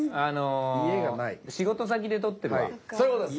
あの仕事先で撮ってるわ。